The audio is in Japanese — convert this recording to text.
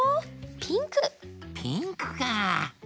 ピンクか。